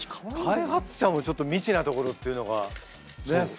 開発者もちょっと未知なところっていうのがすごいっすね。